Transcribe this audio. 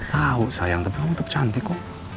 tau sayang tapi kamu tetep cantik kok